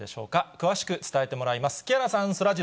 詳しく伝えてもらいます。